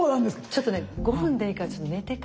ちょっとね５分でいいから寝てから。